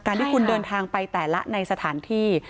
ที่คุณเดินทางไปแต่ละในสถานที่